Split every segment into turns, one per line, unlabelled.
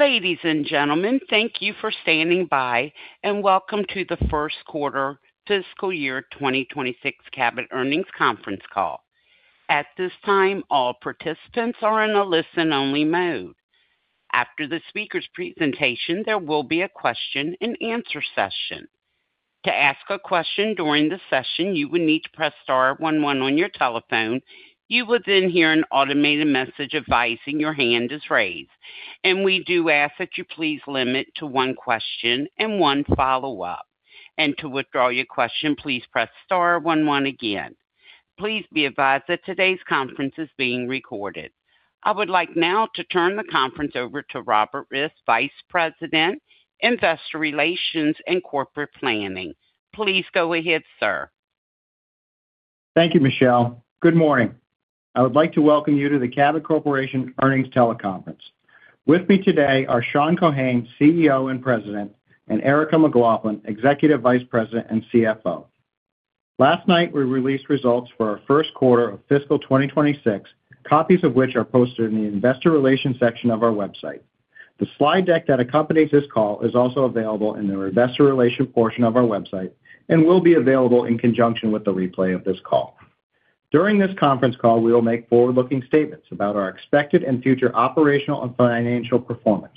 Ladies and gentlemen, thank you for standing by, and welcome to the first quarter fiscal year 2026 Cabot Earnings Conference Call. At this time, all participants are in a listen-only mode. After the speaker's presentation, there will be a question-and-answer session. To ask a question during the session, you will need to press star one one on your telephone. You will then hear an automated message advising your hand is raised, and we do ask that you please limit to one question and one follow-up. To withdraw your question, please press star one one again. Please be advised that today's conference is being recorded. I would like now to turn the conference over to Robert Rist, Vice President, Investor Relations and Corporate Planning. Please go ahead, sir.
Thank you, Michelle. Good morning. I would like to welcome you to the Cabot Corporation Earnings Teleconference. With me today are Sean Keohane, CEO and President, and Erica McLaughlin, Executive Vice President and CFO. Last night, we released results for our first quarter of fiscal 2026, copies of which are posted in the Investor Relations section of our website. The slide deck that accompanies this call is also available in the Investor Relations portion of our website and will be available in conjunction with the replay of this call. During this conference call, we will make forward-looking statements about our expected and future operational and financial performance.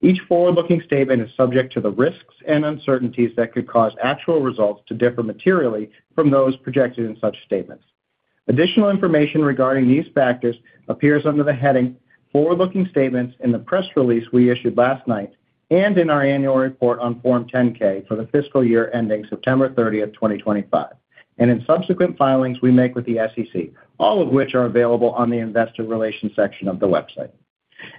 Each forward-looking statement is subject to the risks and uncertainties that could cause actual results to differ materially from those projected in such statements. Additional information regarding these factors appears under the heading Forward-Looking Statements in the press release we issued last night and in our annual report on Form 10-K for the fiscal year ending September 30, 2025, and in subsequent filings we make with the SEC, all of which are available on the Investor Relations section of the website.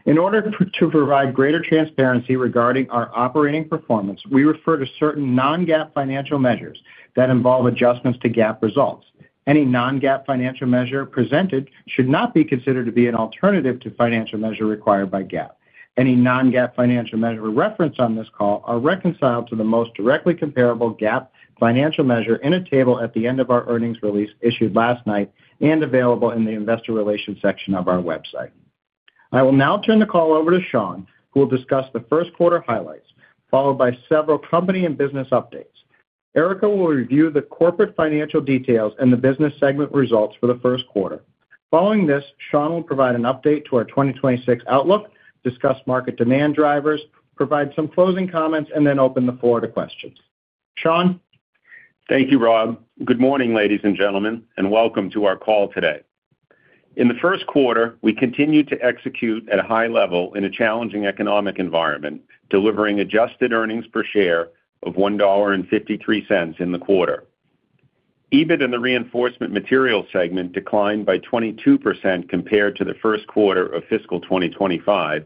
In order to to provide greater transparency regarding our operating performance, we refer to certain non-GAAP financial measures that involve adjustments to GAAP results. Any non-GAAP financial measure presented should not be considered to be an alternative to financial measure required by GAAP. Any non-GAAP financial measure referenced on this call are reconciled to the most directly comparable GAAP financial measure in a table at the end of our earnings release issued last night and available in the Investor Relations section of our website. I will now turn the call over to Sean, who will discuss the first quarter highlights, followed by several company and business updates. Erica will review the corporate financial details and the business segment results for the first quarter. Following this, Sean will provide an update to our 2026 outlook, discuss market demand drivers, provide some closing comments, and then open the floor to questions. Sean?
Thank you, Rob. Good morning, ladies and gentlemen, and welcome to our call today. In the first quarter, we continued to execute at a high level in a challenging economic environment, delivering adjusted earnings per share of $1.53 in the quarter. EBIT in the Reinforcement Materials segment declined by 22% compared to the first quarter of fiscal 2025,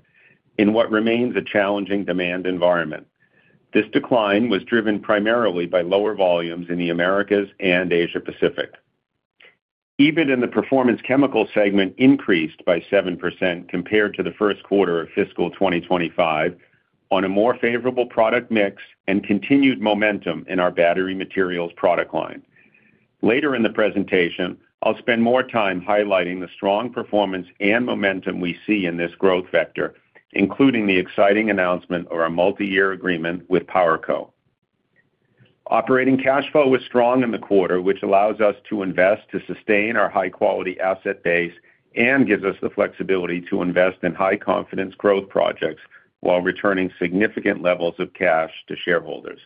in what remains a challenging demand environment. This decline was driven primarily by lower volumes in the Americas and Asia Pacific. EBIT in the Performance Chemicals segment increased by 7% compared to the first quarter of fiscal 2025 on a more favorable product mix and continued momentum in our battery materials product line. Later in the presentation, I'll spend more time highlighting the strong performance and momentum we see in this growth vector, including the exciting announcement of our multiyear agreement with PowerCo. Operating cash flow was strong in the quarter, which allows us to invest to sustain our high-quality asset base and gives us the flexibility to invest in high-confidence growth projects while returning significant levels of cash to shareholders.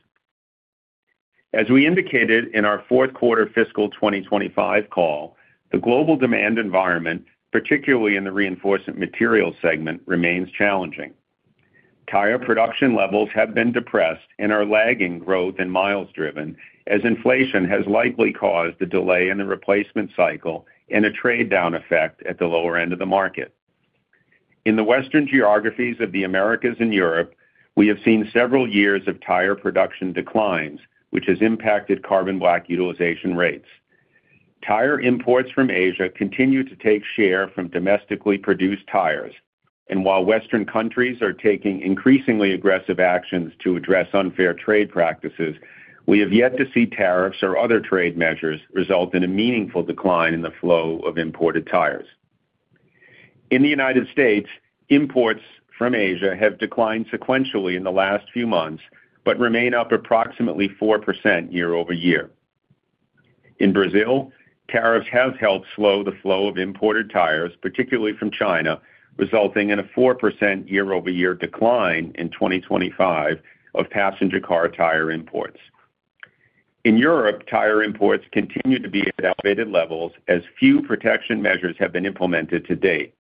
As we indicated in our fourth quarter fiscal 2025 call, the global demand environment, particularly in the Reinforcement Materials segment, remains challenging. Tire production levels have been depressed and are lagging growth and miles driven, as inflation has likely caused a delay in the replacement cycle and a trade-down effect at the lower end of the market. In the Western geographies of the Americas and Europe, we have seen several years of tire production declines, which has impacted carbon black utilization rates. Tire imports from Asia continue to take share from domestically produced tires, and while Western countries are taking increasingly aggressive actions to address unfair trade practices, we have yet to see tariffs or other trade measures result in a meaningful decline in the flow of imported tires. In the United States, imports from Asia have declined sequentially in the last few months, but remain up approximately 4% year-over-year. In Brazil, tariffs have helped slow the flow of imported tires, particularly from China, resulting in a 4% year-over-year decline in 2025 of passenger car tire imports. In Europe, tire imports continue to be at elevated levels as few protection measures have been implemented to date.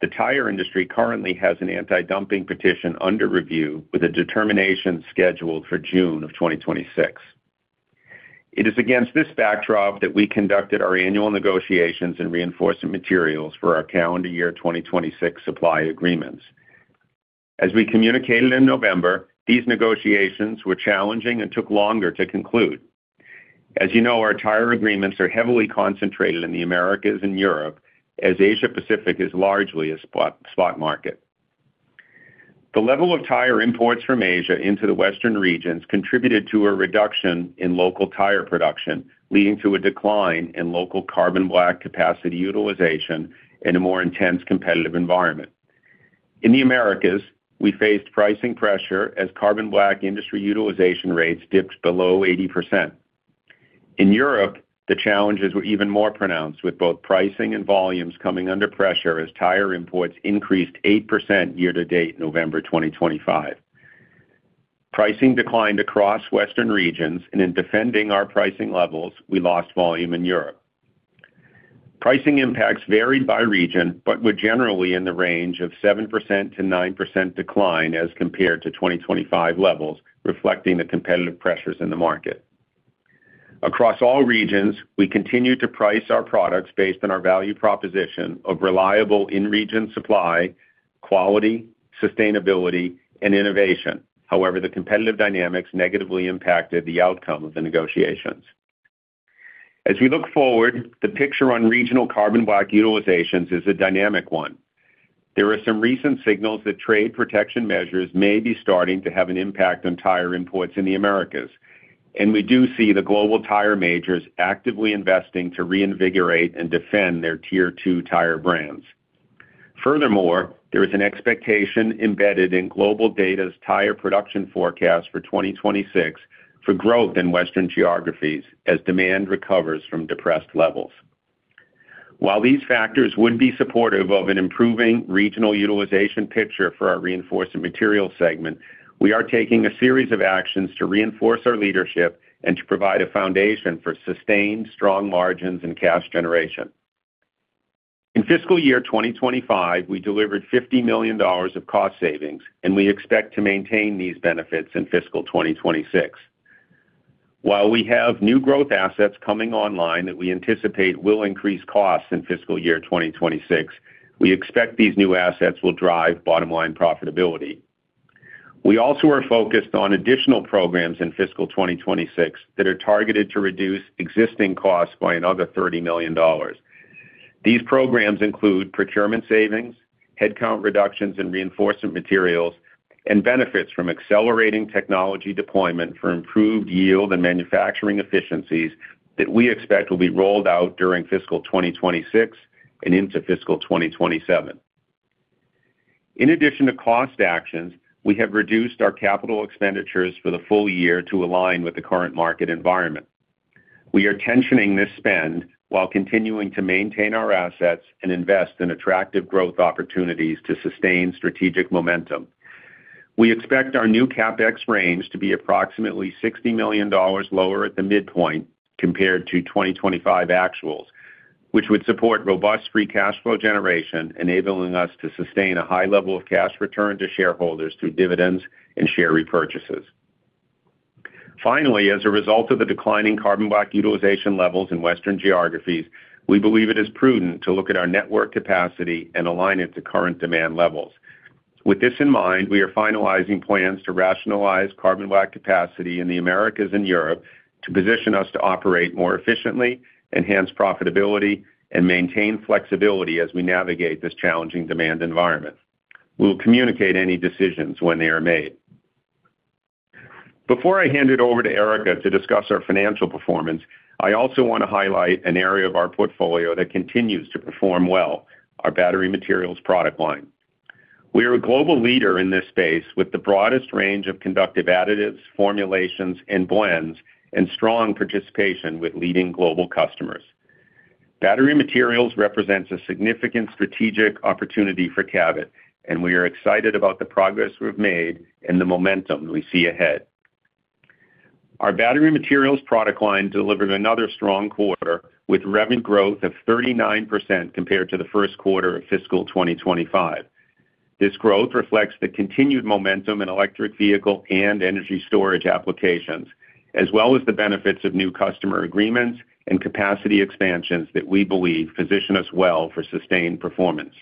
The tire industry currently has an antidumping petition under review, with a determination scheduled for June of 2026. It is against this backdrop that we conducted our annual negotiations in Reinforcement Materials for our calendar year 2026 supply agreements. As we communicated in November, these negotiations were challenging and took longer to conclude. As you know, our tire agreements are heavily concentrated in the Americas and Europe, as Asia Pacific is largely a spot market. The level of tire imports from Asia into the Western regions contributed to a reduction in local tire production, leading to a decline in local carbon black capacity utilization and a more intense competitive environment. In the Americas, we faced pricing pressure as carbon black industry utilization rates dipped below 80%. In Europe, the challenges were even more pronounced, with both pricing and volumes coming under pressure as tire imports increased 8% year to date, November 2025. Pricing declined across Western regions, and in defending our pricing levels, we lost volume in Europe. Pricing impacts varied by region, but were generally in the range of 7%-9% decline as compared to 2025 levels, reflecting the competitive pressures in the market. Across all regions, we continue to price our products based on our value proposition of reliable in-region supply, quality, sustainability, and innovation. However, the competitive dynamics negatively impacted the outcome of the negotiations. As we look forward, the picture on regional carbon black utilizations is a dynamic one. There are some recent signals that trade protection measures may be starting to have an impact on tire imports in the Americas, and we do see the global tire majors actively investing to reinvigorate and defend their Tier Two tire brands. Furthermore, there is an expectation embedded in GlobalData's tire production forecast for 2026 for growth in Western geographies as demand recovers from depressed levels. While these factors would be supportive of an improving regional utilization picture for our Reinforcement Materials segment, we are taking a series of actions to reinforce our leadership and to provide a foundation for sustained strong margins and cash generation. In fiscal year 2025, we delivered $50 million of cost savings, and we expect to maintain these benefits in fiscal 2026. While we have new growth assets coming online that we anticipate will increase costs in fiscal year 2026, we expect these new assets will drive bottom-line profitability. We also are focused on additional programs in fiscal 2026 that are targeted to reduce existing costs by another $30 million. These programs include procurement savings, headcount reductions, and reinforcement materials, and benefits from accelerating technology deployment for improved yield and manufacturing efficiencies that we expect will be rolled out during fiscal 2026 and into fiscal 2027. In addition to cost actions, we have reduced our capital expenditures for the full year to align with the current market environment. We are tensioning this spend while continuing to maintain our assets and invest in attractive growth opportunities to sustain strategic momentum. We expect our new CapEx range to be approximately $60 million lower at the midpoint compared to 2025 actuals, which would support robust free cash flow generation, enabling us to sustain a high level of cash return to shareholders through dividends and share repurchases. Finally, as a result of the declining Carbon Black utilization levels in Western geographies, we believe it is prudent to look at our network capacity and align it to current demand levels. With this in mind, we are finalizing plans to rationalize Carbon Black capacity in the Americas and Europe to position us to operate more efficiently, enhance profitability, and maintain flexibility as we navigate this challenging demand environment. We'll communicate any decisions when they are made. Before I hand it over to Erica to discuss our financial performance, I also want to highlight an area of our portfolio that continues to perform well, our Battery Materials product line. We are a global leader in this space with the broadest range of conductive Additives, formulations, and blends, and strong participation with leading global customers. Battery Materials represents a significant strategic opportunity for Cabot, and we are excited about the progress we've made and the momentum we see ahead. Our Battery Materials product line delivered another strong quarter, with revenue growth of 39% compared to the first quarter of fiscal 2025. This growth reflects the continued momentum in electric vehicle and energy storage applications, as well as the benefits of new customer agreements and capacity expansions that we believe position us well for sustained performance.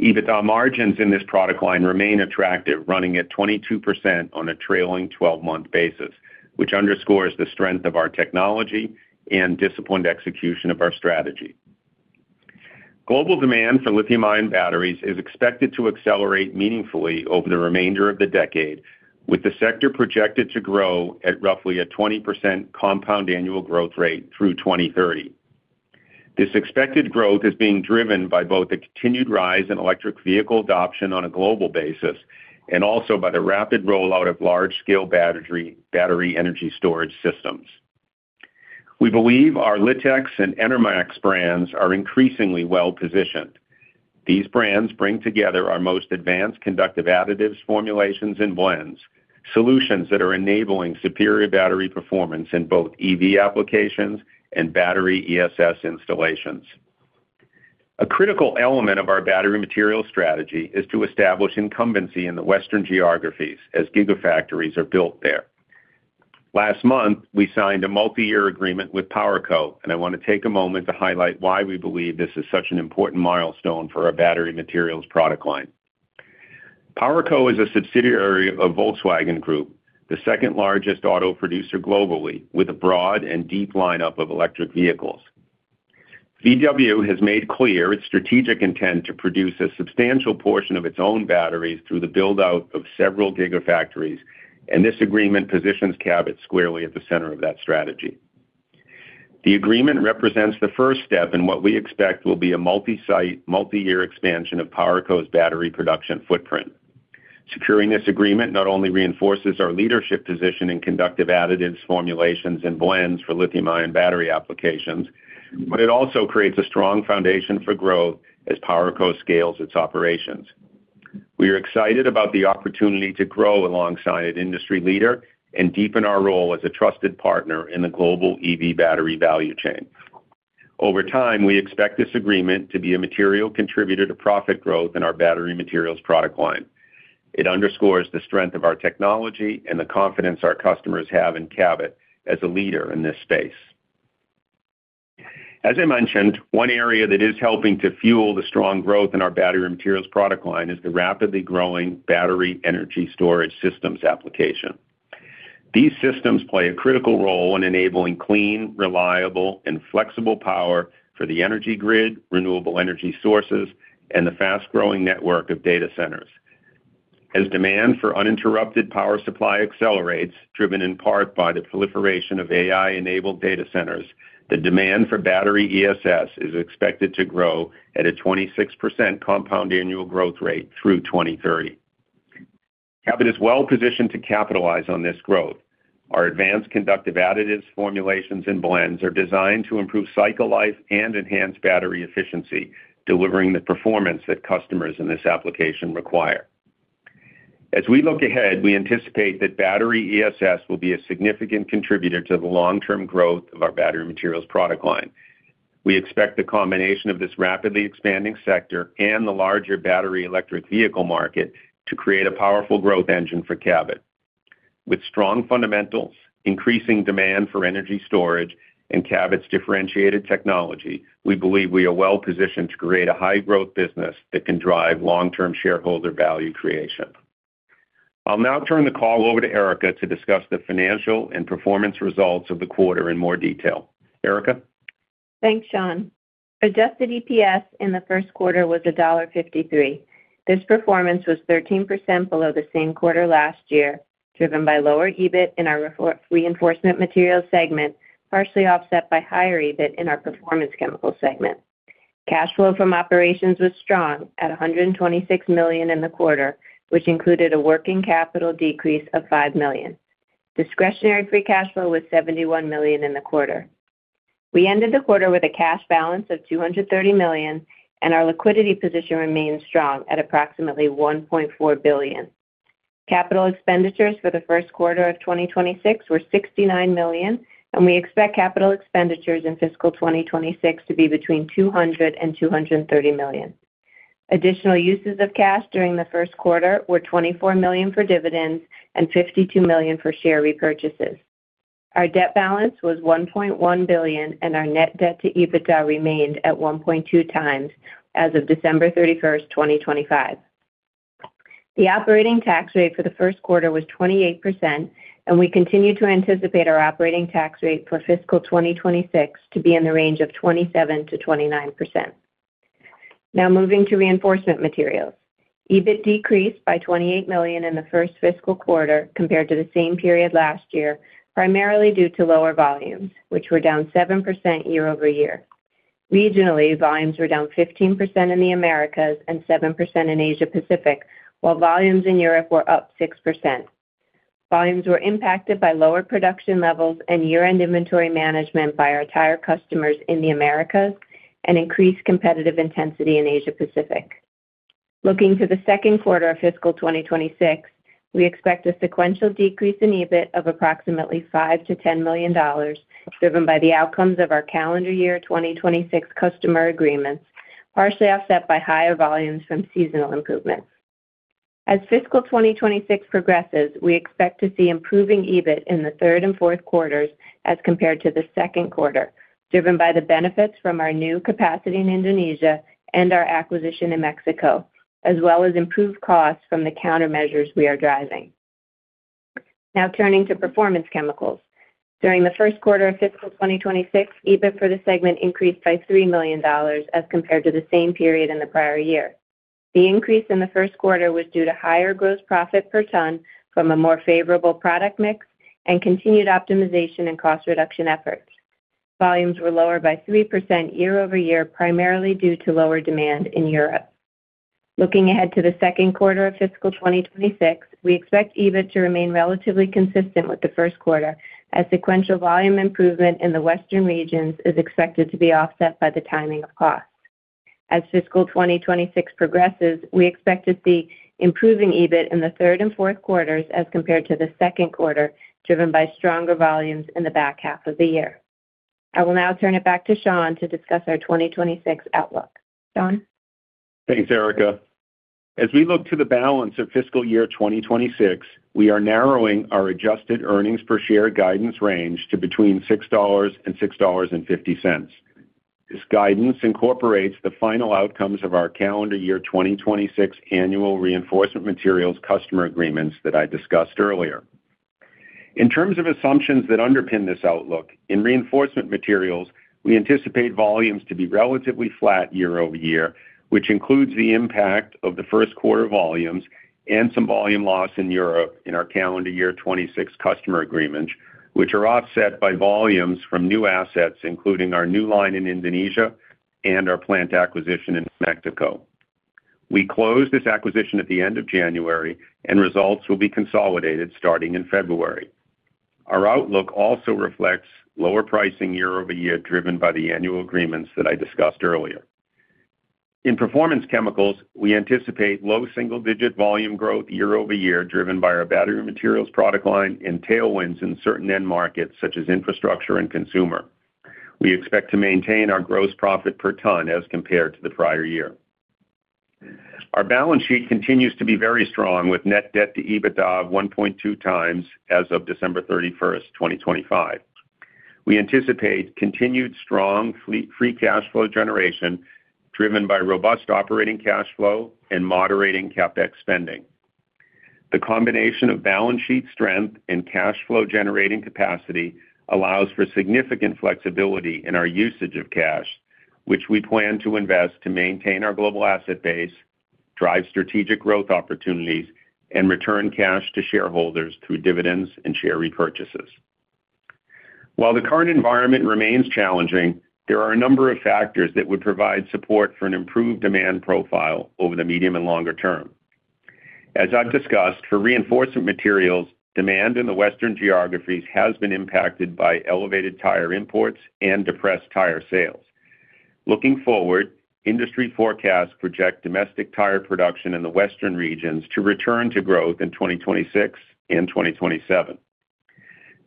EBITDA margins in this product line remain attractive, running at 22% on a trailing twelve-month basis, which underscores the strength of our technology and disciplined execution of our strategy. Global demand for lithium-ion batteries is expected to accelerate meaningfully over the remainder of the decade, with the sector projected to grow at roughly a 20% compound annual growth rate through 2030. This expected growth is being driven by both the continued rise in electric vehicle adoption on a global basis and also by the rapid rollout of large-scale battery energy storage systems. We believe our LITX and ENERMAX brands are increasingly well-positioned. These brands bring together our most advanced conductive additives, formulations, and blends, solutions that are enabling superior battery performance in both EV applications and battery ESS installations. A critical element of our battery material strategy is to establish incumbency in the Western geographies as gigafactories are built there. Last month, we signed a multiyear agreement with PowerCo, and I want to take a moment to highlight why we believe this is such an important milestone for our battery materials product line. PowerCo is a subsidiary of Volkswagen Group, the second-largest auto producer globally, with a broad and deep lineup of electric vehicles. VW has made clear its strategic intent to produce a substantial portion of its own batteries through the build-out of several gigafactories, and this agreement positions Cabot squarely at the center of that strategy. The agreement represents the first step in what we expect will be a multi-site, multi-year expansion of PowerCo's battery production footprint. Securing this agreement not only reinforces our leadership position in conductive additives, formulations, and blends for lithium-ion battery applications, but it also creates a strong foundation for growth as PowerCo scales its operations. We are excited about the opportunity to grow alongside an industry leader and deepen our role as a trusted partner in the global EV battery value chain. Over time, we expect this agreement to be a material contributor to profit growth in our Battery Materials product line. It underscores the strength of our technology and the confidence our customers have in Cabot as a leader in this space. As I mentioned, one area that is helping to fuel the strong growth in our battery materials product line is the rapidly growing battery energy storage systems application. These systems play a critical role in enabling clean, reliable, and flexible power for the energy grid, renewable energy sources, and the fast-growing network of data centers. As demand for uninterrupted power supply accelerates, driven in part by the proliferation of AI-enabled data centers, the demand for battery ESS is expected to grow at a 26% compound annual growth rate through 2030. Cabot is well positioned to capitalize on this growth. Our advanced conductive additives, formulations, and blends are designed to improve cycle life and enhance battery efficiency, delivering the performance that customers in this application require. As we look ahead, we anticipate that battery ESS will be a significant contributor to the long-term growth of our battery materials product line. We expect the combination of this rapidly expanding sector and the larger battery electric vehicle market to create a powerful growth engine for Cabot. With strong fundamentals, increasing demand for energy storage, and Cabot's differentiated technology, we believe we are well positioned to create a high-growth business that can drive long-term shareholder value creation. I'll now turn the call over to Erica to discuss the financial and performance results of the quarter in more detail. Erica?
Thanks, Sean. Adjusted EPS in the first quarter was $1.53. This performance was 13% below the same quarter last year, driven by lower EBIT in our reinforcement materials segment, partially offset by higher EBIT in our performance chemicals segment. Cash flow from operations was strong at $126 million in the quarter, which included a working capital decrease of $5 million. Discretionary free cash flow was $71 million in the quarter. We ended the quarter with a cash balance of $230 million, and our liquidity position remains strong at approximately $1.4 billion. Capital expenditures for the first quarter of 2026 were $69 million, and we expect capital expenditures in fiscal 2026 to be between $200 million and $230 million. Additional uses of cash during the first quarter were $24 million for dividends and $52 million for share repurchases. Our debt balance was $1.1 billion, and our net debt to EBITDA remained at 1.2 times as of December 31, 2025. The operating tax rate for the first quarter was 28%, and we continue to anticipate our operating tax rate for fiscal 2026 to be in the range of 27%-29%. Now, moving to reinforcement materials. EBIT decreased by $28 million in the first fiscal quarter compared to the same period last year, primarily due to lower volumes, which were down 7% year-over-year. Regionally, volumes were down 15% in the Americas and 7% in Asia Pacific, while volumes in Europe were up 6%. Volumes were impacted by lower production levels and year-end inventory management by our tire customers in the Americas and increased competitive intensity in Asia Pacific. Looking to the second quarter of fiscal 2026, we expect a sequential decrease in EBIT of approximately $5 million-$10 million, driven by the outcomes of our calendar year 2026 customer agreements, partially offset by higher volumes from seasonal improvements. As fiscal 2026 progresses, we expect to see improving EBIT in the third and fourth quarters as compared to the second quarter, driven by the benefits from our new capacity in Indonesia and our acquisition in Mexico, as well as improved costs from the countermeasures we are driving. Now, turning to Performance Chemicals. During the first quarter of fiscal 2026, EBIT for the segment increased by $3 million as compared to the same period in the prior year. The increase in the first quarter was due to higher gross profit per ton from a more favorable product mix and continued optimization and cost reduction efforts. Volumes were lower by 3% year-over-year, primarily due to lower demand in Europe. Looking ahead to the second quarter of fiscal 2026, we expect EBIT to remain relatively consistent with the first quarter, as sequential volume improvement in the Western regions is expected to be offset by the timing of costs. As fiscal 2026 progresses, we expect to see improving EBIT in the third and fourth quarters as compared to the second quarter, driven by stronger volumes in the back half of the year. I will now turn it back to Sean to discuss our 2026 outlook. Sean?
Thanks, Erica. As we look to the balance of fiscal year 2026, we are narrowing our adjusted earnings per share guidance range to between $6 and $6.50. This guidance incorporates the final outcomes of our calendar year 2026 annual reinforcement materials customer agreements that I discussed earlier. In terms of assumptions that underpin this outlook, in reinforcement materials. We anticipate volumes to be relatively flat year-over-year, which includes the impact of the first quarter volumes and some volume loss in Europe in our calendar year 2026 customer agreements, which are offset by volumes from new assets, including our new line in Indonesia and our plant acquisition in Mexico. We closed this acquisition at the end of January, and results will be consolidated starting in February. Our outlook also reflects lower pricing year-over-year, driven by the annual agreements that I discussed earlier. In Performance Chemicals, we anticipate low single-digit volume growth year-over-year, driven by our Battery Materials product line and tailwinds in certain end markets, such as infrastructure and consumer. We expect to maintain our gross profit per ton as compared to the prior year. Our balance sheet continues to be very strong, with Net Debt to EBITDA of 1.2 times as of December 31, 2025. We anticipate continued strong free cash flow generation, driven by robust operating cash flow and moderating CapEx spending. The combination of balance sheet strength and cash flow-generating capacity allows for significant flexibility in our usage of cash, which we plan to invest to maintain our global asset base, drive strategic growth opportunities, and return cash to shareholders through dividends and share repurchases. While the current environment remains challenging, there are a number of factors that would provide support for an improved demand profile over the medium and longer term. As I've discussed, for reinforcement materials, demand in the Western geographies has been impacted by elevated tire imports and depressed tire sales. Looking forward, industry forecasts project domestic tire production in the Western regions to return to growth in 2026 and 2027.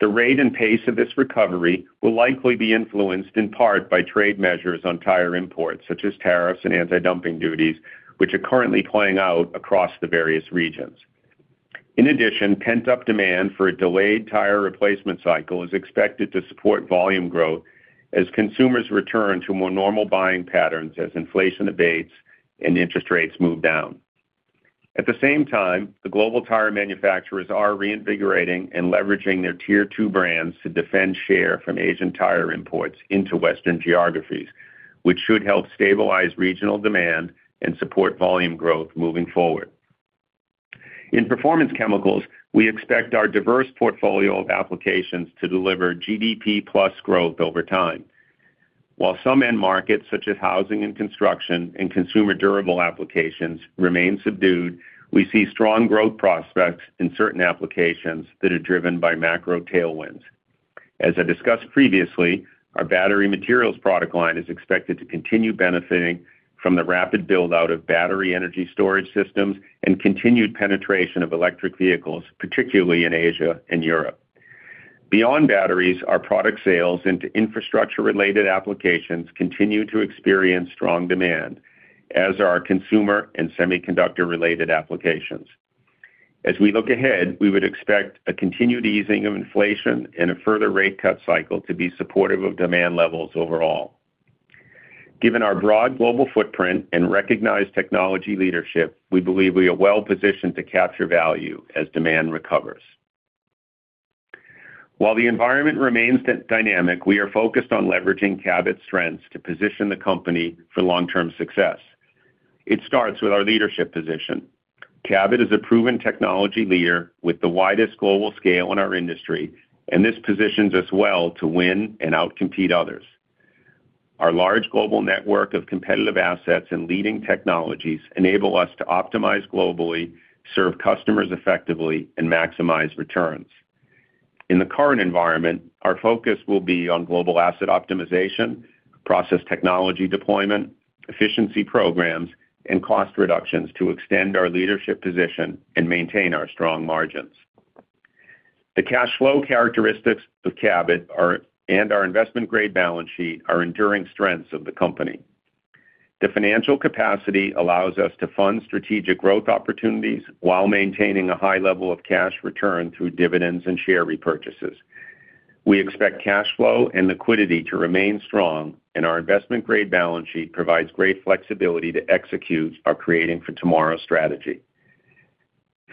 The rate and pace of this recovery will likely be influenced in part by trade measures on tire imports, such as tariffs and antidumping duties, which are currently playing out across the various regions. In addition, pent-up demand for a delayed tire replacement cycle is expected to support volume growth as consumers return to more normal buying patterns as inflation abates and interest rates move down. At the same time, the global tire manufacturers are reinvigorating and leveraging their Tier Two brands to defend share from Asian tire imports into Western geographies, which should help stabilize regional demand and support volume growth moving forward. In Performance Chemicals, we expect our diverse portfolio of applications to deliver GDP plus growth over time. While some end markets, such as housing and construction and consumer durable applications, remain subdued, we see strong growth prospects in certain applications that are driven by macro tailwinds. As I discussed previously, our Battery Materials product line is expected to continue benefiting from the rapid build-out of battery energy storage systems and continued penetration of electric vehicles, particularly in Asia and Europe. Beyond batteries, our product sales into infrastructure-related applications continue to experience strong demand, as are our consumer and semiconductor-related applications. As we look ahead, we would expect a continued easing of inflation and a further rate cut cycle to be supportive of demand levels overall. Given our broad global footprint and recognized technology leadership, we believe we are well positioned to capture value as demand recovers. While the environment remains dynamic, we are focused on leveraging Cabot's strengths to position the company for long-term success. It starts with our leadership position. Cabot is a proven technology leader with the widest global scale in our industry, and this positions us well to win and outcompete others. Our large global network of competitive assets and leading technologies enable us to optimize globally, serve customers effectively, and maximize returns. In the current environment, our focus will be on global asset optimization, process technology deployment, efficiency programs, and cost reductions to extend our leadership position and maintain our strong margins. The cash flow characteristics of Cabot, and our investment-grade balance sheet, are enduring strengths of the company. The financial capacity allows us to fund strategic growth opportunities while maintaining a high level of cash return through dividends and share repurchases. We expect cash flow and liquidity to remain strong, and our investment-grade balance sheet provides great flexibility to execute our Creating for Tomorrow strategy.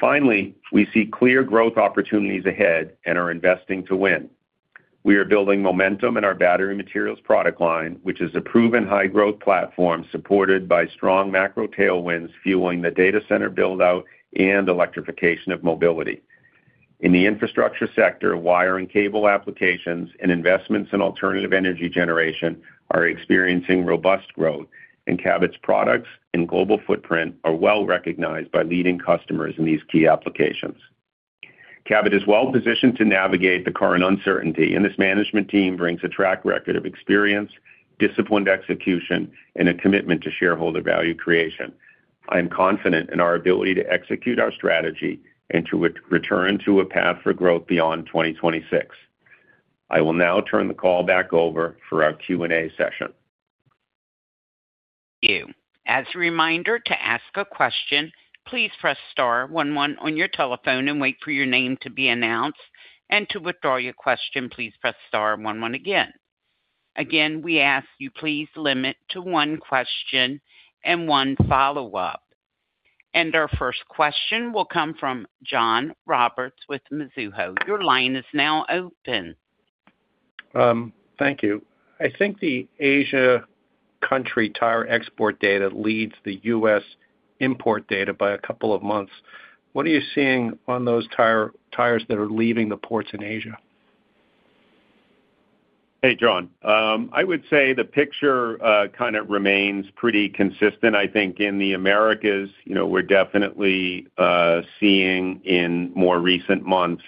Finally, we see clear growth opportunities ahead and are investing to win. We are building momentum in our battery materials product line, which is a proven high-growth platform supported by strong macro tailwinds, fueling the data center build-out and electrification of mobility. In the infrastructure sector, wire and cable applications and investments in alternative energy generation are experiencing robust growth, and Cabot's products and global footprint are well recognized by leading customers in these key applications. Cabot is well positioned to navigate the current uncertainty, and this management team brings a track record of experience, disciplined execution, and a commitment to shareholder value creation. I am confident in our ability to execute our strategy and to return to a path for growth beyond 2026. I will now turn the call back over for our Q&A session.
As a reminder, to ask a question, please press star one one on your telephone and wait for your name to be announced, and to withdraw your question, please press star one one again. Again, we ask you, please limit to one question and one follow-up. Our first question will come from John Roberts with Mizuho. Your line is now open.
Thank you. I think the Asia country tire export data leads the U.S. import data by a couple of months. What are you seeing on those tire, tires that are leaving the ports in Asia?
Hey, John. I would say the picture kind of remains pretty consistent. I think in the Americas, you know, we're definitely seeing in more recent months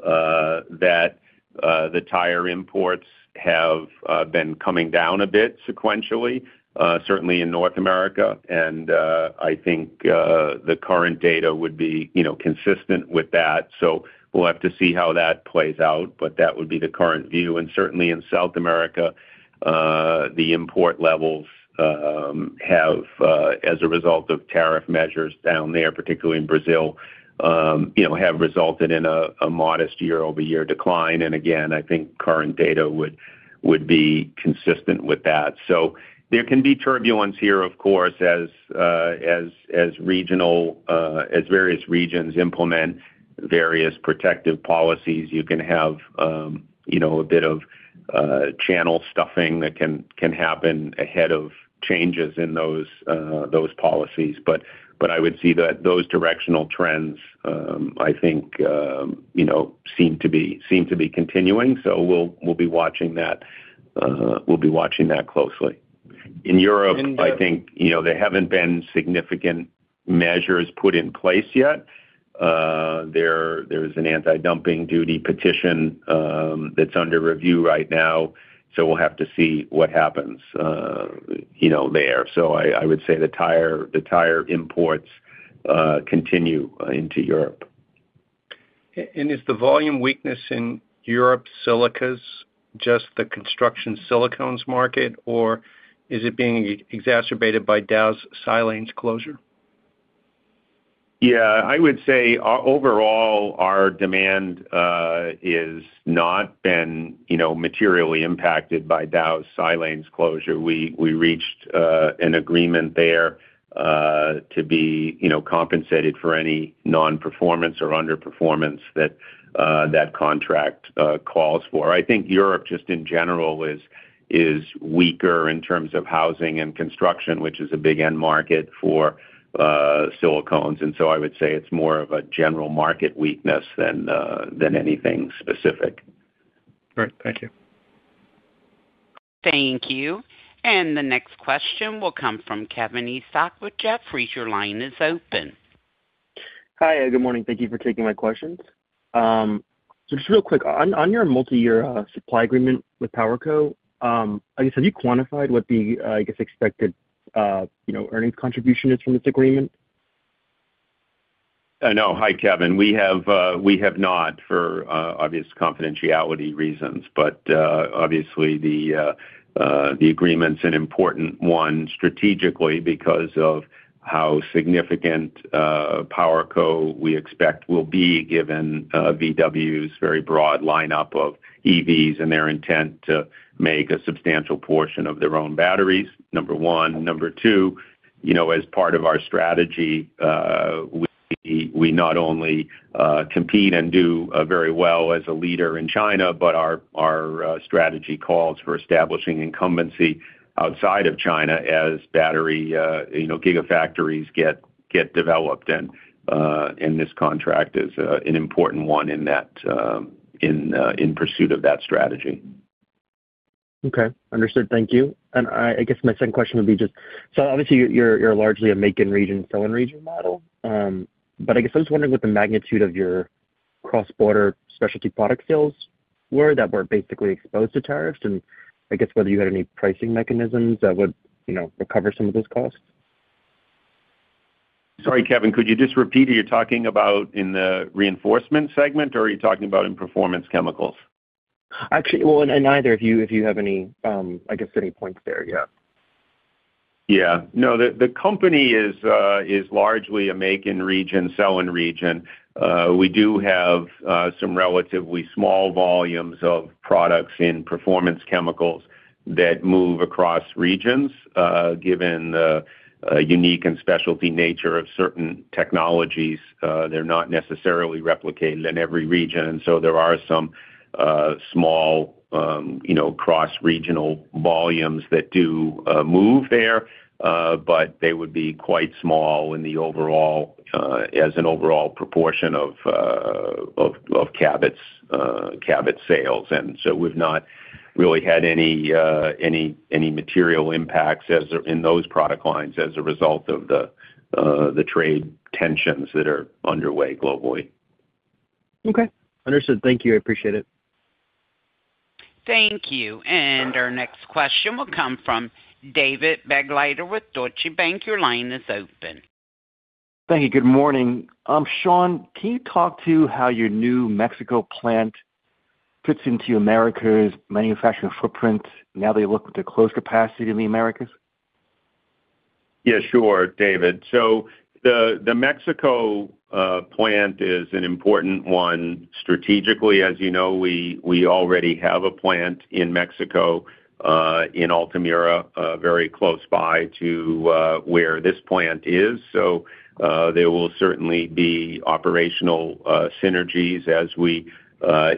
that the tire imports have been coming down a bit sequentially, certainly in North America. And I think the current data would be, you know, consistent with that, so we'll have to see how that plays out, but that would be the current view. And certainly in South America, the import levels have, as a result of tariff measures down there, particularly in Brazil, you know, have resulted in a modest year-over-year decline. And again, I think current data would be consistent with that. So there can be turbulence here, of course, as various regions implement various protective policies. You can have, you know, a bit of channel stuffing that can happen ahead of changes in those policies. But I would see that those directional trends, I think, you know, seem to be continuing, so we'll be watching that closely. In Europe-
And, uh-
I think, you know, there haven't been significant measures put in place yet. There's an anti-dumping duty petition that's under review right now, so we'll have to see what happens, you know, there. So I would say the tire imports continue into Europe.
Is the volume weakness in Europe silicas just the construction silicones market, or is it being exacerbated by Dow's silanes closure?
Yeah, I would say our overall, our demand is not been, you know, materially impacted by Dow's silanes closure. We reached an agreement there to be, you know, compensated for any non-performance or underperformance that contract calls for. I think Europe, just in general, is weaker in terms of housing and construction, which is a big end market for silicones, and so I would say it's more of a general market weakness than anything specific.
Great. Thank you.
Thank you. And the next question will come from Kevin Estok with Jefferies. Your line is open.
Hi, good morning. Thank you for taking my questions. So just real quick, on your multiyear supply agreement with PowerCo, I guess, have you quantified what the, I guess, expected, you know, earnings contribution is from this agreement?
No. Hi, Kevin. We have, we have not, for obvious confidentiality reasons. But obviously, the agreement's an important one strategically because of how significant PowerCo, we expect, will be, given VW's very broad lineup of EVs and their intent to make a substantial portion of their own batteries, number one. Number two, you know, as part of our strategy, we, we not only compete and do very well as a leader in China, but our, our strategy calls for establishing incumbency outside of China as battery, you know, gigafactories get developed. And this contract is an important one in that, in pursuit of that strategy.
Okay. Understood. Thank you. I guess my second question would be just... So obviously, you're largely a make-in-region, sell-in-region model. But I guess I was wondering what the magnitude of your cross-border specialty product sales were, that were basically exposed to tariffs, and I guess whether you had any pricing mechanisms that would, you know, recover some of those costs?
Sorry, Kevin, could you just repeat? Are you talking about in the reinforcement segment, or are you talking about in performance chemicals?
Actually, well, in either, if you, if you have any, I guess, any points there, yeah.
Yeah. No, the company is largely a make-in-region, sell-in-region. We do have some relatively small volumes of products in Performance Chemicals that move across regions. Given the unique and specialty nature of certain technologies, they're not necessarily replicated in every region, and so there are some small, you know, cross-regional volumes that do move there. But they would be quite small in the overall, as an overall proportion of Cabot's sales. And so we've not really had any material impacts in those product lines as a result of the trade tensions that are underway globally.
Okay, understood. Thank you. I appreciate it.
Thank you. Our next question will come from David Begleiter with Deutsche Bank. Your line is open.
Thank you. Good morning. Sean, can you talk to how your new Mexico plant fits into America's manufacturing footprint now that you look at the closed capacity in the Americas?...
Yeah, sure, David. So the Mexico plant is an important one strategically. As you know, we already have a plant in Mexico in Altamira very close by to where this plant is. So there will certainly be operational synergies as we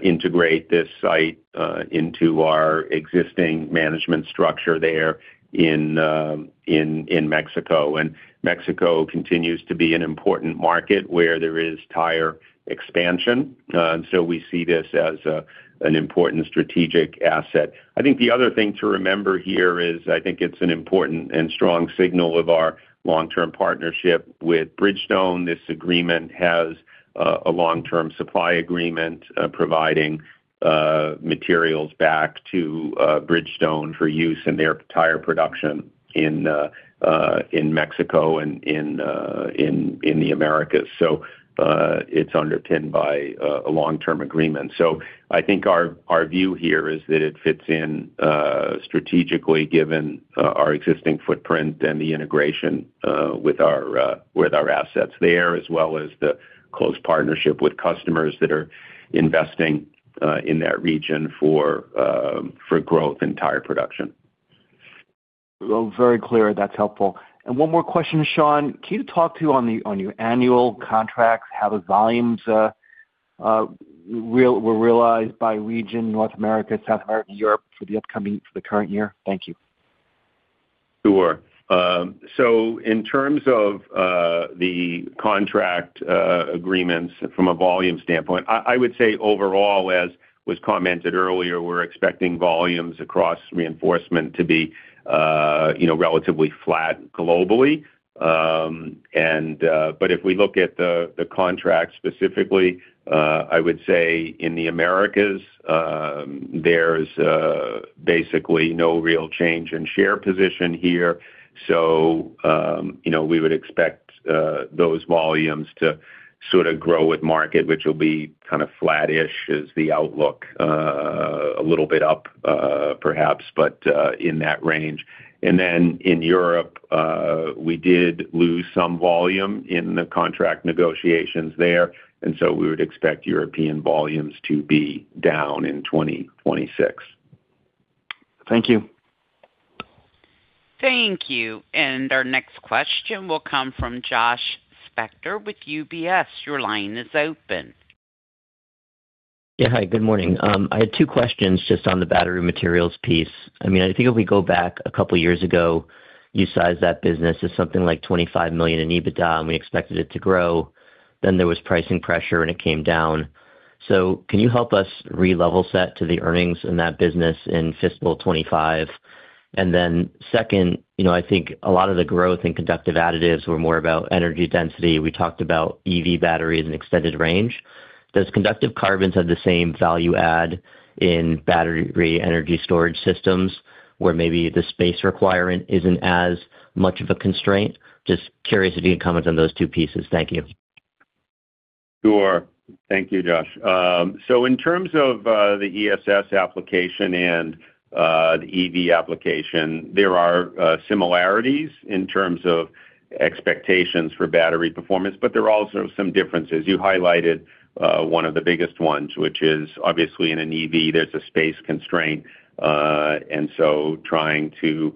integrate this site into our existing management structure there in Mexico. And Mexico continues to be an important market where there is tire expansion and so we see this as an important strategic asset. I think the other thing to remember here is, I think it's an important and strong signal of our long-term partnership with Bridgestone. This agreement has a long-term supply agreement providing materials back to Bridgestone for use in their tire production in Mexico and in the Americas. It's underpinned by a long-term agreement. So I think our view here is that it fits in strategically, given our existing footprint and the integration with our assets there, as well as the close partnership with customers that are investing in that region for growth and tire production.
Well, very clear. That's helpful. And one more question, Sean. Can you talk to on your annual contracts, how the volumes were realized by region, North America, South America, Europe, for the upcoming for the current year? Thank you.
Sure. So in terms of the contract agreements from a volume standpoint, I would say overall, as was commented earlier, we're expecting volumes across reinforcement to be, you know, relatively flat globally. And but if we look at the contract specifically, I would say in the Americas, there's basically no real change in share position here. So, you know, we would expect those volumes to sort of grow with market, which will be kind of flattish, is the outlook, a little bit up, perhaps, but in that range. And then in Europe, we did lose some volume in the contract negotiations there, and so we would expect European volumes to be down in 2026.
Thank you.
Thank you. And our next question will come from Josh Spector with UBS. Your line is open.
Yeah. Hi, good morning. I had two questions just on the battery materials piece. I mean, I think if we go back a couple of years ago, you sized that business as something like $25 million in EBITDA, and we expected it to grow. Then there was pricing pressure, and it came down. So can you help us re-level set to the earnings in that business in fiscal 2025? And then second, you know, I think a lot of the growth in conductive additives were more about energy density. We talked about EV batteries and extended range. Does conductive carbons have the same value add in battery energy storage systems, where maybe the space requirement isn't as much of a constraint? Just curious if you can comment on those two pieces. Thank you.
Sure. Thank you, Josh. So in terms of the ESS application and the EV application, there are similarities in terms of expectations for battery performance, but there are also some differences. You highlighted one of the biggest ones, which is obviously in an EV, there's a space constraint, and so trying to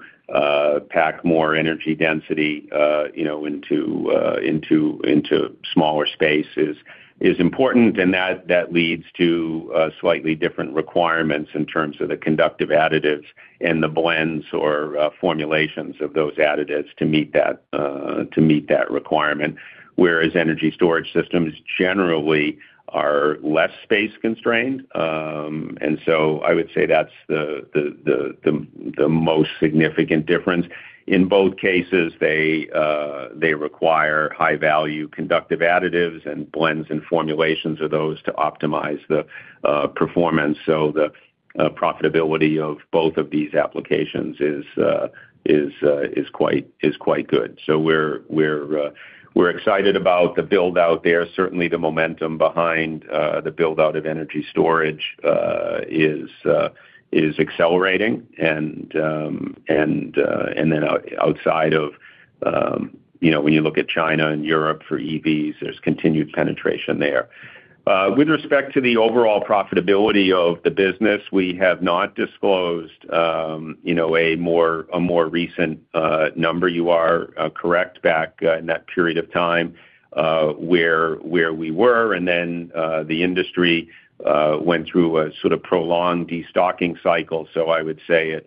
pack more energy density, you know, into into into smaller spaces is important, and that that leads to slightly different requirements in terms of the conductive additives and the blends or formulations of those additives to meet that to meet that requirement. Whereas energy storage systems generally are less space constrained, and so I would say that's the the the the the most significant difference. In both cases, they require high-value conductive additives and blends and formulations of those to optimize the performance. So the profitability of both of these applications is quite good. So we're excited about the build-out there. Certainly, the momentum behind the build-out of energy storage is accelerating. And then outside of, you know, when you look at China and Europe for EVs, there's continued penetration there. With respect to the overall profitability of the business, we have not disclosed, you know, a more recent number. You are correct, back in that period of time, where we were, and then the industry went through a sort of prolonged destocking cycle. So I would say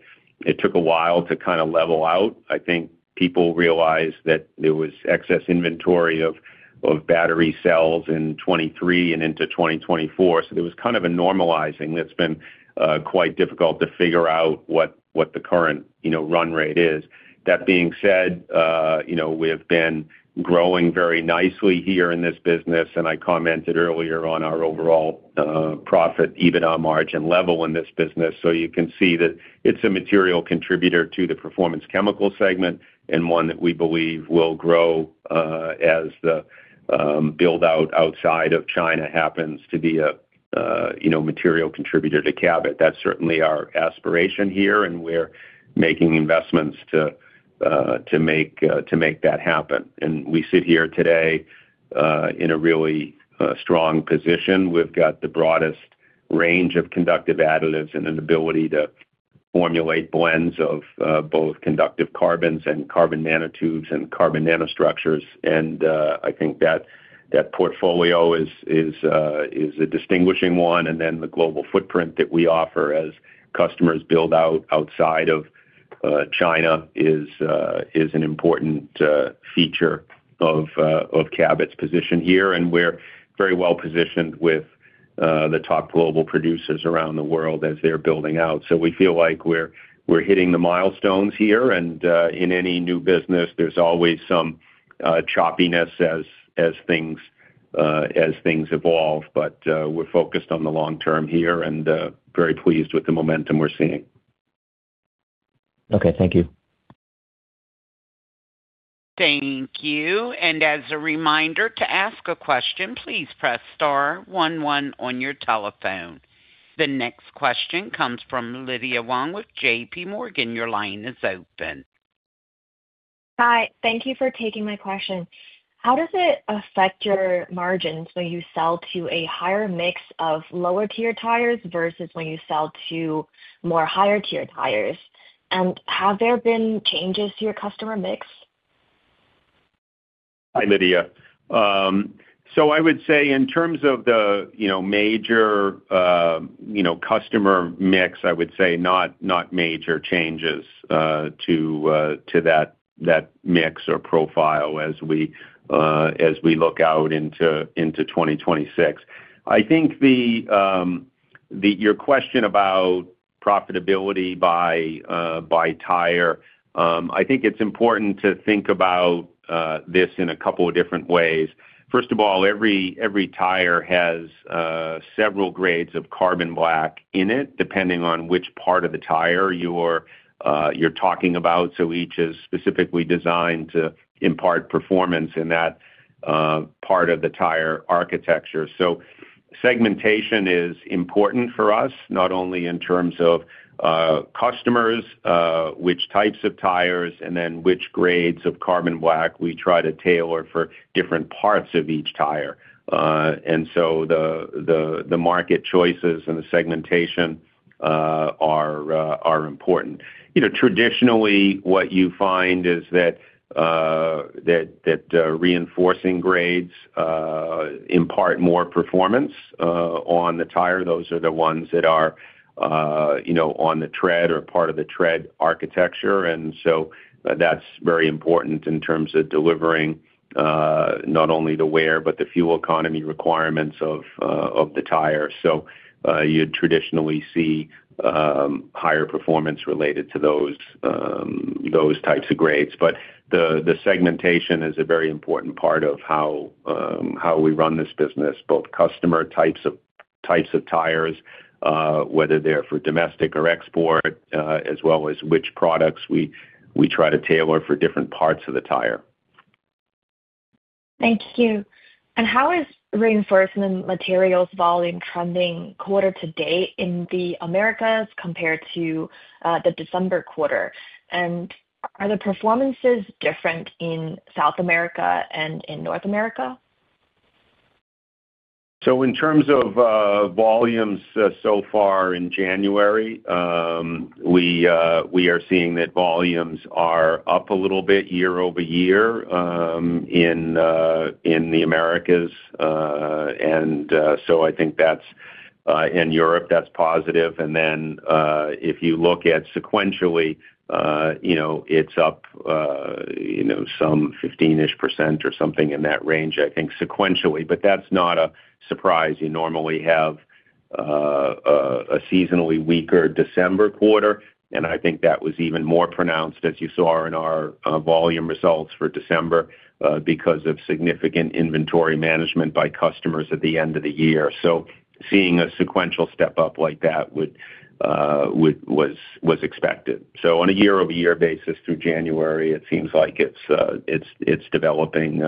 it took a while to kind of level out. I think people realized that there was excess inventory of battery cells in 2023 and into 2024. So there was kind of a normalizing that's been quite difficult to figure out what the current, you know, run rate is. That being said, you know, we have been growing very nicely here in this business, and I commented earlier on our overall profit, EBITDA margin level in this business. So you can see that it's a material contributor to the Performance Chemicals segment and one that we believe will grow as the build-out outside of China happens to be a, you know, material contributor to Cabot. That's certainly our aspiration here, and we're making investments to make that happen. And we sit here today in a really strong position. We've got the broadest range of conductive additives and an ability to formulate blends of both conductive carbons and carbon nanotubes and carbon nanostructures. And I think that portfolio is a distinguishing one, and then the global footprint that we offer as customers build out outside of China is an important feature of Cabot's position here. And we're very well positioned with the top global producers around the world as they're building out. So we feel like we're hitting the milestones here, and in any new business, there's always some choppiness as things evolve. But we're focused on the long term here, and very pleased with the momentum we're seeing.
Okay, thank you.
Thank you. And as a reminder, to ask a question, please press star one one on your telephone. The next question comes from Lydia Huang with JPMorgan. Your line is open.
Hi, thank you for taking my question. How does it affect your margins when you sell to a higher mix of lower-tier tires versus when you sell to more higher-tier tires? And have there been changes to your customer mix?
Hi, Lydia. So I would say in terms of the, you know, major, you know, customer mix, I would say not, not major changes, to, to that, that mix or profile as we, as we look out into, into 2026. I think the, your question about profitability by, by tire, I think it's important to think about, this in a couple of different ways. First of all, every, every tire has, several grades of carbon black in it, depending on which part of the tire you're, you're talking about, so each is specifically designed to impart performance in that, part of the tire architecture. So segmentation is important for us, not only in terms of, customers, which types of tires, and then which grades of carbon black we try to tailor for different parts of each tire. And so the market choices and the segmentation are important. You know, traditionally, what you find is that, reinforcing grades impart more performance on the tire. Those are the ones that are, you know, on the tread or part of the tread architecture. And so that's very important in terms of delivering, not only the wear, but the fuel economy requirements of the tire. So you'd traditionally see, higher performance related to those, those types of grades. But the segmentation is a very important part of how we run this business, both customer types, types of tires, whether they're for domestic or export, as well as which products we try to tailor for different parts of the tire.
Thank you. And how is Reinforcement Materials volume trending quarter to date in the Americas compared to the December quarter? And are the performances different in South America and in North America?
So in terms of volumes, so far in January, we are seeing that volumes are up a little bit year-over-year in the Americas. And so I think that's in Europe, that's positive. And then, if you look at sequentially, you know, it's up, you know, some 15-ish% or something in that range, I think, sequentially, but that's not a surprise. You normally have a seasonally weaker December quarter, and I think that was even more pronounced, as you saw in our volume results for December, because of significant inventory management by customers at the end of the year. So seeing a sequential step up like that would, was expected. So on a year-over-year basis through January, it seems like it's developing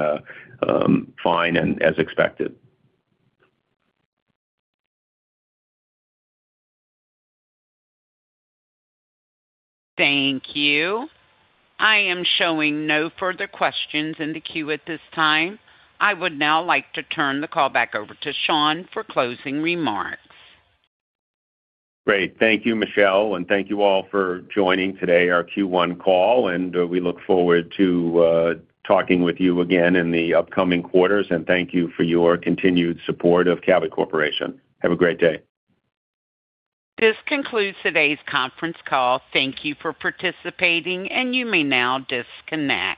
fine and as expected.
Thank you. I am showing no further questions in the queue at this time. I would now like to turn the call back over to Sean for closing remarks.
Great. Thank you, Michelle, and thank you all for joining today, our Q1 call, and we look forward to talking with you again in the upcoming quarters. Thank you for your continued support of Cabot Corporation. Have a great day.
This concludes today's conference call. Thank you for participating, and you may now disconnect.